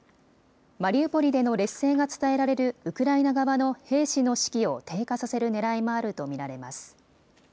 マリウポリでの劣勢が伝えられるウクライナ側の兵士の士気を低下させるねらいもあると見られます。